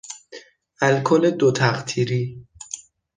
الکل دو تقطیری